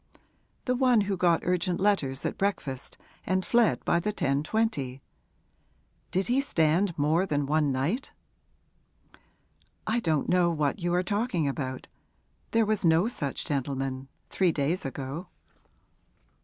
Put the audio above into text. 'The one who got urgent letters at breakfast and fled by the 10.20. Did he stand more than one night?' 'I don't know what you are talking about. There was no such gentleman three days ago.'